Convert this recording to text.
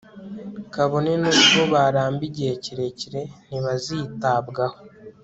kabone n'ubwo baramba igihe kirekire, ntibazitabwaho